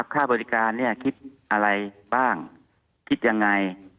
ค่าบริการเนี่ยคิดอะไรบ้างคิดยังไง